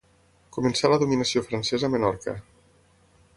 Començà la dominació francesa a Menorca.